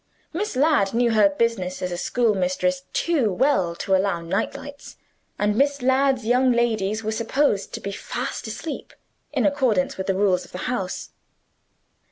Miss Ladd knew her business as a schoolmistress too well to allow night lights; and Miss Ladd's young ladies were supposed to be fast asleep, in accordance with the rules of the house.